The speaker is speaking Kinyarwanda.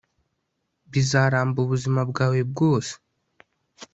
bizaramba ubuzima bwawe bwose